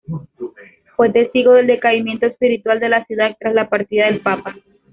Fue testigo del decaimiento espiritual de la ciudad tras la partida del papa.